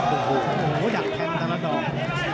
โหอยากแค้นตลาดอง